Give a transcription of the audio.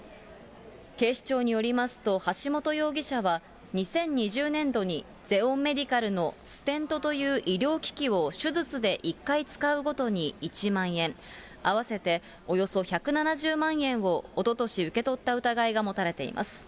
警視庁によりますと、橋本容疑者は２０２０年度にゼオンメディカルのステントという医療機器を手術で１回使うごとに１万円、合わせておよそ１７０万円をおととし受け取った疑いが持たれています。